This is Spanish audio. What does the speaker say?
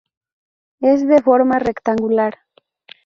Es de forma rectangular.